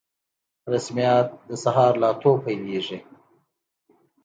رسميات د سهار له اتو پیلیږي